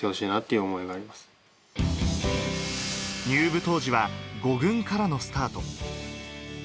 入部当時は５軍からのスタート。